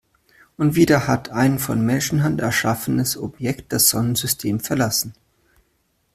Und wieder hat ein von Menschenhand erschaffenes Objekt das Sonnensystem verlassen.